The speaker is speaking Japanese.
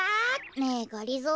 ねえがりぞー。